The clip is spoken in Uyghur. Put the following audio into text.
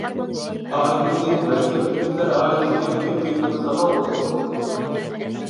ئائىلىسى مۇرەككەپ گۈللۈكلەر ئائىلىسىدىكى كۆپ يىللىق سامان غوللۇق ئۆسۈملۈك.